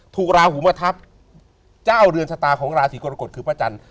ราหูมาทับเจ้าเรือนชะตาของราศีกรกฎคือพระจันทร์